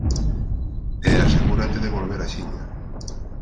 E asegúrate de volver axiña...